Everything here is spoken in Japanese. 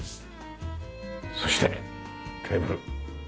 そしてテーブル。